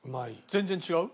全然違う？